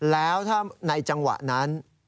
แล้วถ้าในจังหวะนั้น